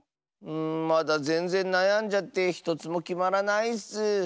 うんまだぜんぜんなやんじゃってひとつもきまらないッス。